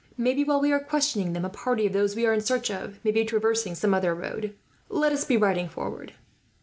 Maybe, while we are questioning them, a party of those we are in search of may be traversing some other road. Let us be riding forward."